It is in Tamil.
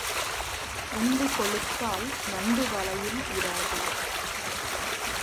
உண்டு கொழுத்தால் நண்டு வலையில் இராது.